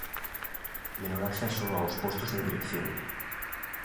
Menor acceso aos postos de dirección.